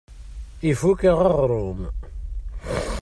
Ifukk-aɣ uɣrum.